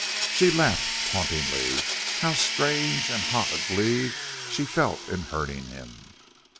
She laughed tauntingly. How strange and hot a glee she felt in hurting him!